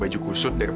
bang ah siapa itu